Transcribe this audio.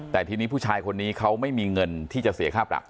แต่ทีนี้ผู้ชายคนนี้เขาไม่มีเงินที่จะเสียค่าปรับ